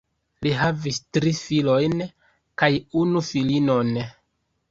Li havis tri filojn kaj unu filinon.